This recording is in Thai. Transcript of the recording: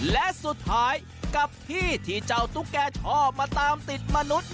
และสุดท้ายกับที่ที่เจ้าตุ๊กแกชอบมาตามติดมนุษย์